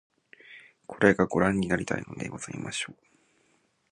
これが御覧になりたいのでございましょう